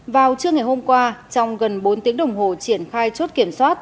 vào trưa ngày hôm qua trong gần bốn tiếng đồng hồ triển khai chốt kiểm soát